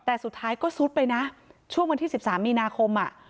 แต่สุดท้ายก็ซุดไปนะช่วงวันที่สิบสามมีนาคมอ่ะ